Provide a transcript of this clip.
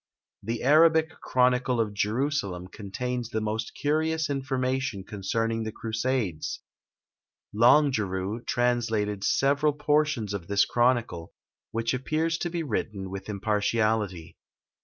The Arabic chronicle of Jerusalem contains the most curious information concerning the crusades: Longuerue translated several portions of this chronicle, which appears to be written with impartiality.